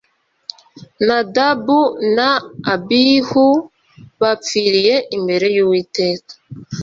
Nadabu na Abihu bapfiriye imbere y Uwiteka